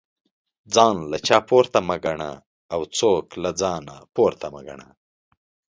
ځان له چانه پورته مه ګنه او څوک له ځانه پورته مه ګنه